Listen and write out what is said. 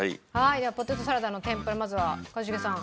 じゃあポテトサラダの天ぷらまずは一茂さん。